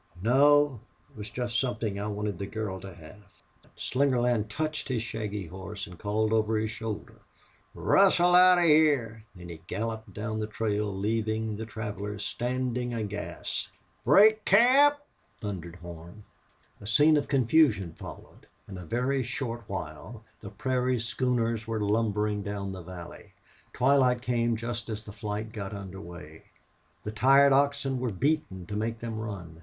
"No. It was jest somethin' I wanted the girl to hev." Slingerland touched his shaggy horse and called over his shoulder: "Rustle out of hyar!" Then he galloped down the trail, leaving the travelers standing aghast. "Break camp!" thundered Horn. A scene of confusion followed. In a very short while the prairie schooners were lumbering down the valley. Twilight came just as the flight got under way. The tired oxen were beaten to make them run.